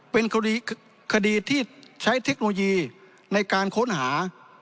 เป็นคดีที่ใช้เทคโนโลยีในการค้นหา